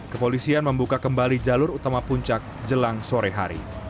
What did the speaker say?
kepolisian membuka kembali jalur utama puncak jelang sore hari